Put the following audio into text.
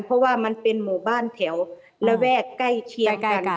เพราะว่ามันเป็นหมู่บ้านแถวระแวกใกล้เคียงใกล้กัน